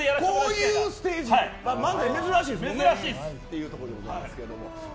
こういうステージで漫才珍しいですもんね。